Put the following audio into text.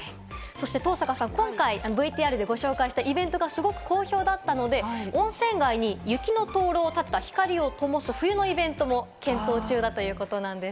登坂さん、今回ＶＴＲでご紹介したイベントがすごく好評だったので、温泉街に雪の灯籠を立てた光をともす、冬のイベントも検討中だということなんです。